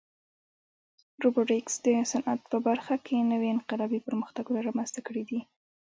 روبوټیکس د صنعت په برخه کې نوې انقلابي پرمختګونه رامنځته کړي دي.